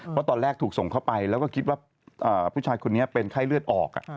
เพราะตอนแรกถูกส่งเข้าไปแล้วก็คิดว่าผู้ชายคนนี้เป็นไข้เลือดออก